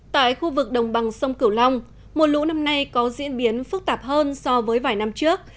tại khu vực đồng bằng sông cửu long mùa lũ năm nay có diễn biến phức tạp hơn so với vài năm trước